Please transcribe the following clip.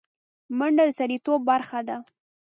منډه د سړيتوب برخه ده